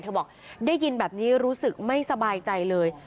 บอกได้ยินแบบนี้รู้สึกไม่สบายใจเลย